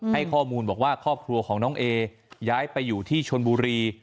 ให้ข้อมูลบอกว่าครอบครัวของน้องเอย้ายไปอยู่ที่ชนบุรี